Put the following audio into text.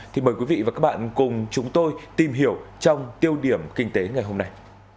thì mời quý vị và các bạn cùng chúng tôi tìm hiểu trong tiêu điểm kinh tế ngày hôm nay